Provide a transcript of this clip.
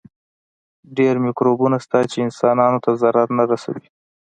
ډېر مکروبونه شته چې انسانانو ته ضرر نه رسوي.